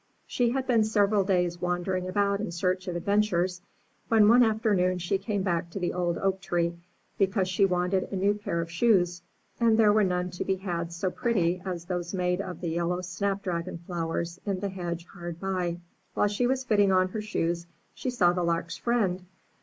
She had been several days wandering about in search of adventures, when one afternoon she came back to the old oak tree, because she wanted a new pair of shoes, and there were none to be had so pretty as those made of the yellow snapdragon flowers in the hedge hard by. While she was fitting on her shoes, she saw the Lark's friend.